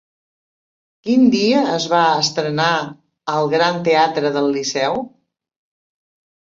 Quin dia es va estrenar al Gran Teatre del Liceu?